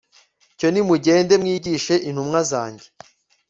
cyo nimugende mwigishe, ntumwa zanjye